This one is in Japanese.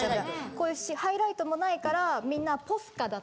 こういうハイライトもないからみんな。